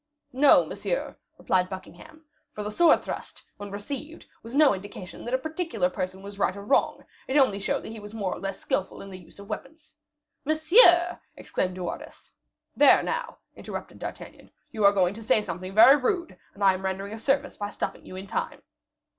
"No, monsieur," replied Buckingham; "for the sword thrust, when received, was no indication that a particular person was right or wrong; it only showed that he was more or less skillful in the use of the weapon." "Monsieur!" exclaimed De Wardes. "There, now," interrupted D'Artagnan, "you are going to say something very rude, and I am rendering a service by stopping you in time."